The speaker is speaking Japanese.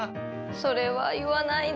それは言わないで。